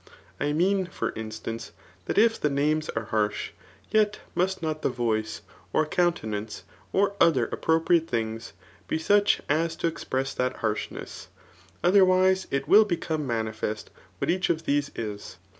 I mean, for instance^ that if the names are harsh, yet must not the voice, or coun tenance, or other appropriate things, be such as to ex* press that harshness ; otherwise, it will become manifest what each of these is.